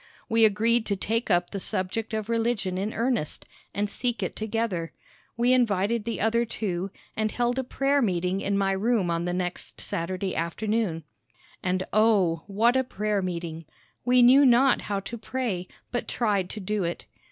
We agreed to take up the subject of religion in earnest, and seek it together. We invited the other two, and held a prayer meeting in my room on the next Saturday afternoon. And, O, what a prayer meeting! We knew not how to pray, but tried to do it.